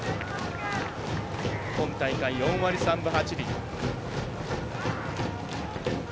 今大会、４割３分８厘。